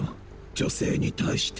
女性に対して。